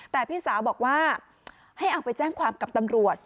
แต่พี่สาวบอกว่าให้เอาไปแจ้งความกับตำรวจ